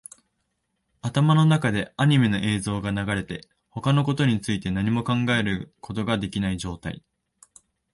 頭の中でアニメの映像が流れて、他のことについて何も考えることができない状態